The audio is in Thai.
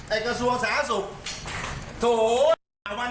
ไอว์กระทรวงสาธารณสุข